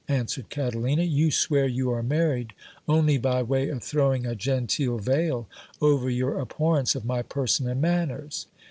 answered Catalina : you svear you are married only by way of throwing a genteel veil over your abhor rence of my person and manners.